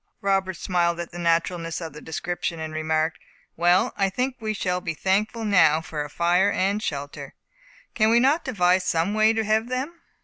Robert smiled at the naturalness of the description, and remarked, "Well, I think we shall be thankful now for a fire and shelter. Can we not devise some way to have them?"